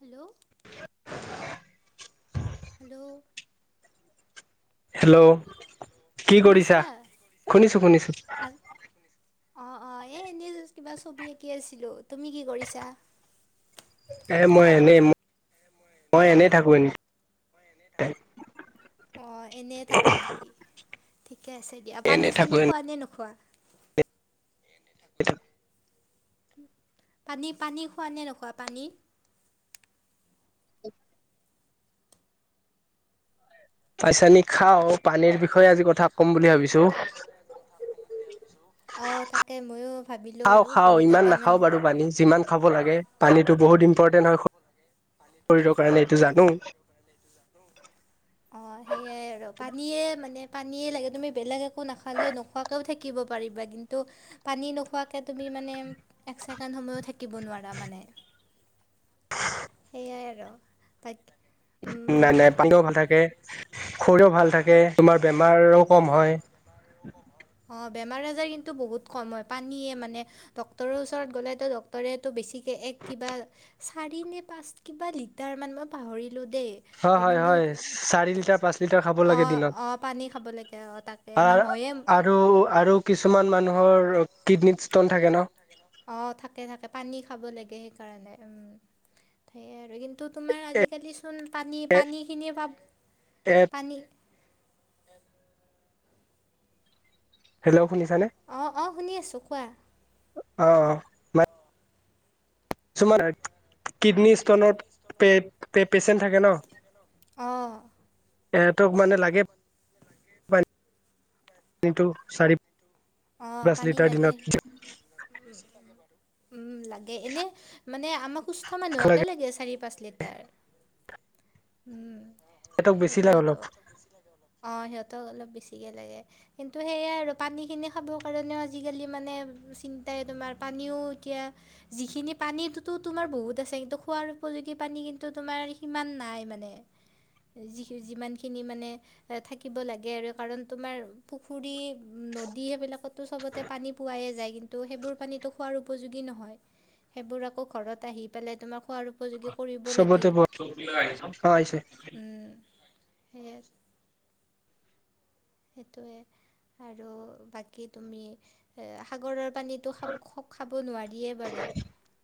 Hello. [unintelligible] Hello. Hello কি কৰিছা? শুনিছা শুনিছো শুনিছো। আ অঁ অ এই এনেই জাষ্ট কিবা ছবি আঁকি আছিলো, তুমি কি কৰিছা? এ মই এনেই মই এনেই থাকো এনে। অ এনেই থাকা নেকি? ঠিকে আছে দিয়া, পানী এনেই থাকো চানী এনে খোৱা নে' নোখোৱা? থাকো পানী-পানী খোৱা নে' নোখোৱা পানী? [inaudible] পানী- চানি খাওঁ পানীৰ বিষয়ে আজি কথা কম বুলি ভাবিছোঁ। অ তাকে মইয়ো খাওঁ, খাওঁ ইমান নাখাও বাৰু পানী যিমান খাব লাগে পানীটো বহুত ইম্পৰ্টেন্ট হয় শৰীৰৰ কাৰণে এইটো জানো। অ সেইয়াই আৰু পানীয়ে মানে মানে পানীয়ে লাগে তুমি বেলেগ একো নাখালে নোখোৱাকেও থাকিব পাৰিবা কিন্তু পানী নোখোৱাকে তুমি মানে একছেকেণ্ড সময়ো থাকিব নোৱাৰা মানে। সেয়াই আৰু বাক নাই-নাই পানীও ভাল থাকে খৰিও ভাল থাকে তোমাৰ বেমাৰও কম হয়। অ বেমাৰ আজাৰ কিন্তু বহুত কম হয় পানীয়ে মানে ডক্তৰৰ ওচৰত গ'লেতো ডক্তৰে বেছিকৈ এক কিবা চাৰি নে পাঁচ কিবা লিটাৰ মান মই পাহৰিলো দেই। হয় হয় কিন্তু হয় চাৰি লিটাৰ পাঁচ লিটাৰ খাব লাগে দিনত অ-অ পানী অ তাকে-তাকে আৰু নহয়ে আৰু, আৰু কিছুমান মানুহৰ কিডনীত ষ্টন থাকে ন অ থাকে, থাকে পানী খাব লাগে সেইকাৰণে উম সেয়াই আৰু কিন্তু তোমাৰ আজিকালিচোন এ পানী-পানীখিনিয়ে পাব এ পানী হেল্ল' শুনিছানে? অ-অ শুনি আছো, কোৱা? অ-অ কিডনী [inaudible] ষ্টনত কিডনী স্তনত পে পেচেণ্ট পে-পেছেন্ট থাকে ন' অ এহতক মানে লাগে পানীটো চাৰি অ পাঁচ পানী লিটাৰ লাগে দিনত উম লাগে এনে মানে আমাক সুস্থ মানুহকে লাগে চাৰি পাঁচ লিটাৰ সিহঁতক বেছি লাগে সেইটোৱেতো অলপ অ সিহঁতক অলপ বেছিকে লাগে, কিন্তু সেইয়াই আৰু পানী খিনি খাবৰ কাৰণেও আজিকালি মানে চিন্তাই তোমাৰ পানীও এতিয়া যিখিনি পানীটোতো তোমাৰ বহুত আছে, কিন্তু খোৱাৰ উপযোগী পানী কিন্তু তোমাৰ সিমান নাই মানে। যি যিমানখিনি মানে থাকিব লাগে আৰু কাৰণ তোমাৰ পুখুৰী নদ দি সেইবিলাকটো চবতে পানী পোৱাই যায় কিন্তু সেইবোৰ পানীতো খোৱাৰ উপযোগী নহয়। সেইবোৰ আকৌ ঘৰত আহি পেলাই তোমাৰ খোৱাৰ উপযোগী কৰিব চবতে লাগিল, পোৱা অ' আহিছে উম সেয়াই সেইটোৱে আৰু বাকী তুমি সাগৰৰ পানীত সেইটো খব খপ খাব নোৱাৰিয়ে বাৰু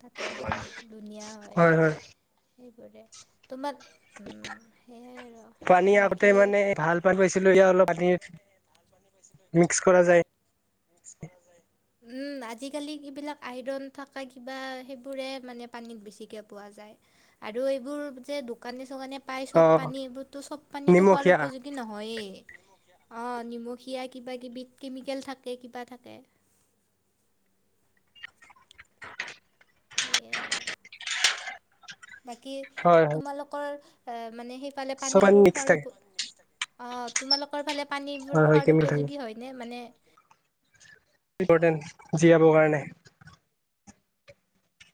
তাকে বাৰু ধুনীয়া হয়। সেইবোৰে তোমাক সেই ৰ পানী আগতে মানে ভাল পানী পাইছিলো ই অলপ পানী মিক্স কৰা যায়। মিক্স কৰা যায়। উম আজিকালি এইবিলাক আইৰণ থকা কিবা সেইবোৰে মানে পানীত বেছিকৈ পোৱা যায়। আৰু এইবোৰ যে দোকানী চোকানীয়ে পাই অ চব পানী এইবোৰতো চব পানীতো খোৱাৰ নিমখীয়া উপযোগী নহয়ে অ নিমখীয়া কিবা কিবি কেমিকেল থাকে কিবা থাকে। [inaudible] সেয়াই আৰু বাকী? হয় হয়। তোমালোকৰ এ মানে সেইফালে চব পানীবোৰ মিক্স খোৱাৰ থাকে ওপ অ। তোমালোকৰ ফালে পানীবোৰ হয় হয় খোৱাৰ কেমিকেল থাকে উপযোগী হয়নে মানে? ইম্পৰ্টেণ্ট জীয়াবৰ কাৰণে।